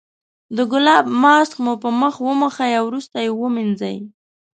د ګلاب ماسک مو په مخ وموښئ او وروسته یې ومینځئ.